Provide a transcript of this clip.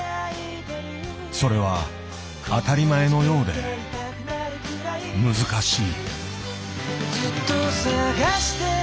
それは当たり前のようで難しい。